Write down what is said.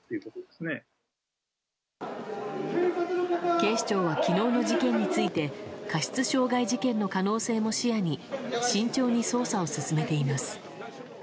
警視庁は昨日の事件について過失傷害事件の可能性も視野に慎重に捜査を進めています。